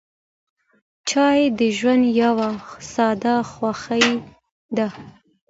چای د ژوند یوه ساده خوښي ده.